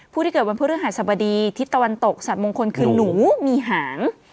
ผู้ที่เกิดวันพฤหัสบดีทิศตะวันตกสัตว์มงคลคือหนูมีหาง